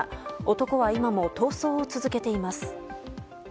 男は今も逃走を続けています。